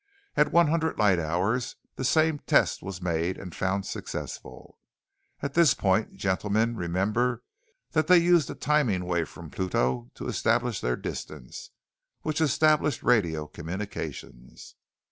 '... At one hundred light hours, the same test was made and found successful....' At this point, gentlemen, remember that they used the timing wave from Pluto to establish their distance, which established radio communications.